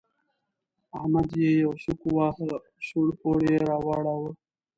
احمد يې يو سوک وواهه؛ سوړ پوړ يې راواړاوو.